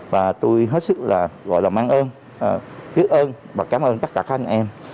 và tôi hết sức gọi là ước ơn và cảm ơn tất cả các anh em